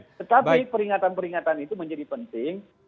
tetapi peringatan peringatan itu menjadi penting